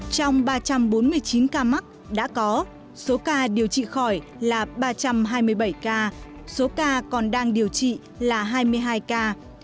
trong ba trăm bốn mươi chín ca mắc đã có số ca điều trị khỏi là ba trăm hai mươi bảy ca số ca còn đang điều trị là hai mươi hai ca